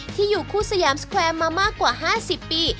ที่อยู่คู่สยามสแควร์มามากกว่า๕๐ปี